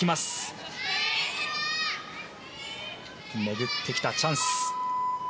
巡ってきたチャンス。